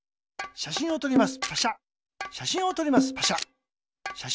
しゃしんをとります。